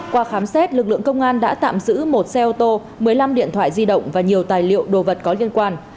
qua khám xét lực lượng công an đã tạm giữ một xe ô tô một mươi năm điện thoại di động và nhiều tài liệu đồ vật có liên quan